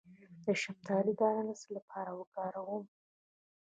د شفتالو دانه د څه لپاره وکاروم؟